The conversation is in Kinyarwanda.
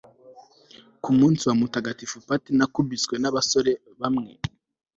ku munsi wa mutagatifu patty nakubiswe n'abasore bamwe